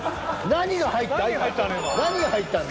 何が入ったの？